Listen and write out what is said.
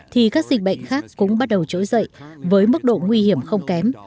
thì các dịch bệnh khác cũng bắt đầu trỗi dậy với mức độ nguy hiểm không kém